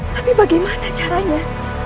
tapi bagaimana caranya